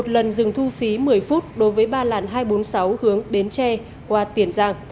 một lần dừng thu phí một mươi phút đối với ba làn hai trăm bốn mươi sáu hướng bến tre qua tiền giang